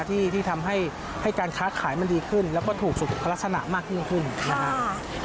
ที่ทำให้การค้าขายมันดีขึ้นแล้วก็ถูกสุขลักษณะมากยิ่งขึ้นนะครับ